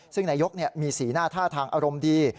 ซึ่งนายกมีสีหน้าท่าทางอารมณ์ดี